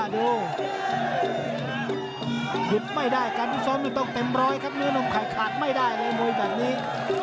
ดูหิบไม่ได้การทุกซ้อมต้องเต็มร้อยครับมือนมขายขาดไม่ได้เลยมุยแบบนี้